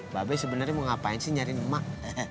mbak be sebenarnya mau ngapain sih nyari emak